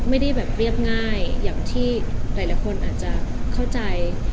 ไม่ได้แบบเรียบง่ายอย่างที่หลายคนอาจจะเข้าใจ